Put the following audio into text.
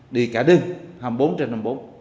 đi cả đường hai mươi bốn trên năm mươi bốn